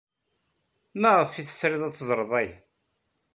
Maɣef ay tesrid ad teẓred aya?